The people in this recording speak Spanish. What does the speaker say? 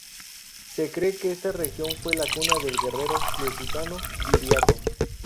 Se cree que esta región fue la cuna del guerrero lusitano Viriato.